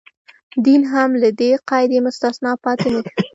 دین هم له دې قاعدې مستثنا پاتې نه شو.